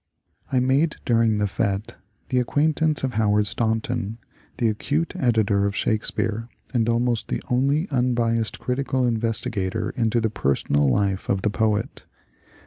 I made during the fSte the acquaintance of Howard Staun ton, the acute editor of Shakespeare, and almost the only un biased critical investigator into the personal life of the poet.